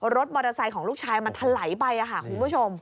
รถมอเตอร์ไซค์ของลูกชายมันถลายไปค่ะคุณผู้ชม